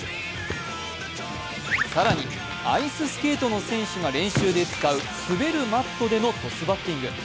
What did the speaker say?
更にアイススケートの選手が練習で使う滑るマットでのトスバッティング。